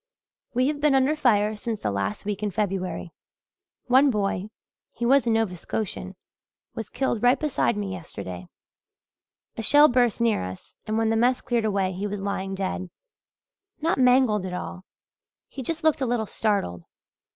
"We have been under fire since the last week in February. One boy he was a Nova Scotian was killed right beside me yesterday. A shell burst near us and when the mess cleared away he was lying dead not mangled at all he just looked a little startled.